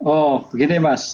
oh begini mas